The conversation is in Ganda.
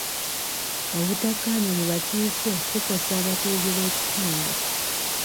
Obutakkaanya mu bakiise kukosa abatuuze b'ekitundu.